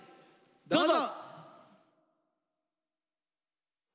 どうぞ。